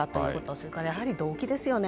それから、やはり動機ですよね。